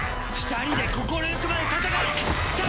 ２人で心ゆくまで戦え！